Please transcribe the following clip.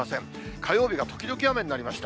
火曜日が時々雨になりました。